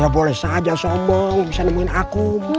boleh saja sombong bisa nemuin aku